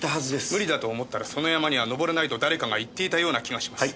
無理だと思ったらその山には登れないと誰かが言っていたような気がします。